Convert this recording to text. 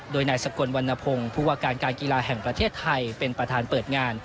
โดยนายสกลวันนพงศ์ผู้ว่าการการกีฬาแห่งประเทศไทยเป็นประธานเปิดงาน